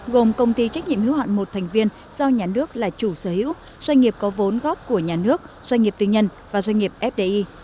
gồm công ty trách nhiệm hữu hạn một thành viên do nhà nước là chủ sở hữu doanh nghiệp có vốn góp của nhà nước doanh nghiệp tư nhân và doanh nghiệp fdi